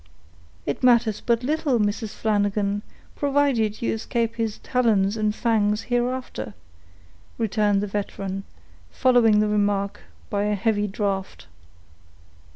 "It matters but little, Mrs. Flanagan, provided you escape his talons and fangs hereafter," returned the veteran, following the remark by a heavy draft.